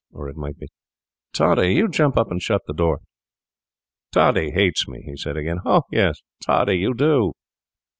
Or it might be, 'Toddy, you jump up and shut the door.' 'Toddy hates me,' he said again. 'Oh yes, Toddy, you do!